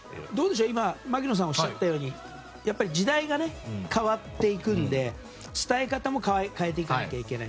今、槙野さんがおっしゃったようにやっぱり時代が変わっていくので伝え方も変えていかなきゃいけない。